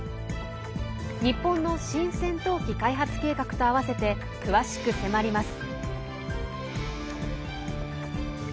日本の新戦闘機開発計画とあわせて、詳しく迫ります。